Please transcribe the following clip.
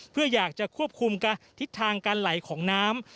เพื่ออยากจะควบคุมทิศทางการไหลของน้ำ